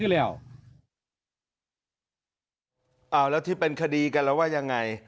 เอาแล้วที่เป็นคดีกันแล้วว่ายังไง